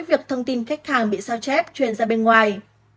việc thông tin khách hàng bị sao chép chuyển ra bên ngoài